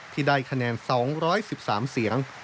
ที่ได้คะแนน๒๑๓เสียง